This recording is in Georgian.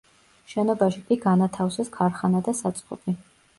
შენობაში კი განათავსეს ქარხანა და საწყობი.